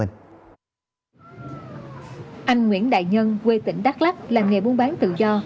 anh nguyễn đại nhân quê tỉnh đắk lắc làm nghề buôn bán tự do